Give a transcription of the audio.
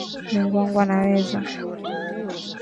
Mungu wangu unaweza